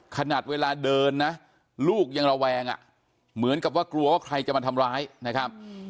ขนาดเวลาเดินนะลูกยังระแวงอ่ะเหมือนกับว่ากลัวว่าใครจะมาทำร้ายนะครับ